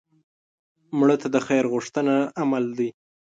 مړه ته د خیر غوښتنه عمل دی